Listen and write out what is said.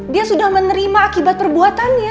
dia sudah menerima akibat perbuatannya